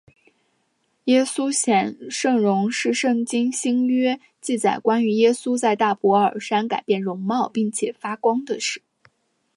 耶稣显圣容是圣经新约记载关于耶稣在大博尔山改变容貌并且发光的事。